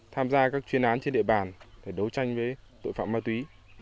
tham gia các chuyên án trên địa bàn để đấu tranh với tội phạm ma túy